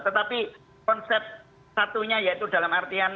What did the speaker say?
tetapi konsep satunya yaitu dalam artian